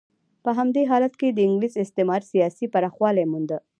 په همدې حالت کې د انګلیس استعماري سیاست پراخوالی مونده.